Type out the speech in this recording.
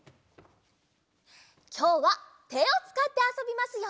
きょうはてをつかってあそびますよ！